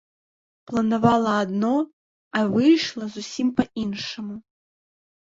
Планавала адно, а выйшла зусім па-іншаму.